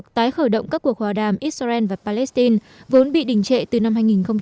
bộ phòng israel đã khởi động các cuộc hòa đàm israel và palestine vốn bị đình trệ từ năm hai nghìn một mươi bốn